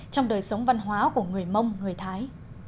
trong đời sống văn hóa của người mông người thái